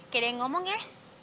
keren ngomong ya